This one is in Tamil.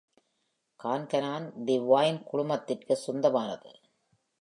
கான்கனான் தி வைன் குழுமத்திற்கு சொந்தமானது.